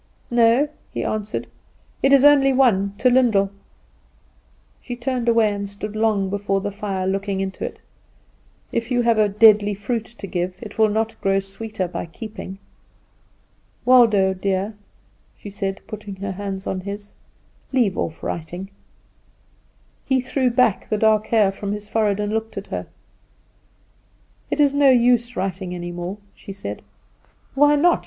"No," he answered; "it is only one to Lyndall." She turned away, and stood long before the fire looking into it. If you have a deadly fruit to give, it will not grow sweeter by keeping. "Waldo, dear," she said, putting her hand on his, "leave off writing." He threw back the dark hair from his forehead and looked at her. "It is no use writing any more," she said. "Why not?"